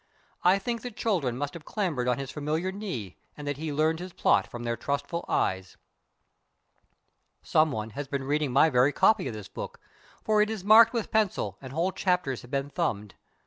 I think that children must have clambered on his familiar knee and that he learned his plot from their trustful eyes. Someone has been reading my very copy of this book, for it is marked with pencil and whole chapters have been thumbed.